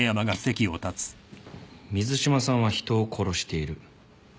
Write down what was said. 水島さんは人を殺している。